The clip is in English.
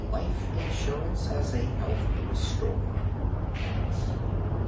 Life Insurance as a Health Restorer.